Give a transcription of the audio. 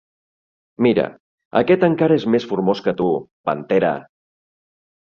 —Mira: aquest encara és més formós que tu, pantera!